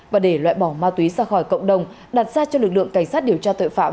và để loại bỏ ma túy ra khỏi cộng đồng đặt ra cho lực lượng cảnh sát điều tra tội phạm